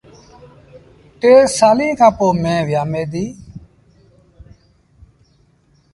ٽي سآليٚݩ کآݩ پو ميݩهن ويآمي ديٚ۔